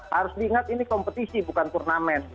harus diingat ini kompetisi bukan turnamen